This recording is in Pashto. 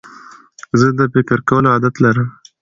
زه د فکر کولو عادت لرم.